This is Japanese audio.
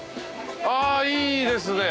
あいいですね。